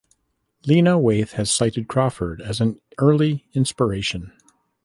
Lena Waithe has cited Crawford as an early inspiration.